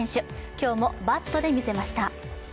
今日もバットでみせました。